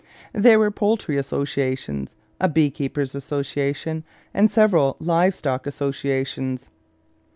There were poultry associations, a beekeepers' association, and several live stock associations.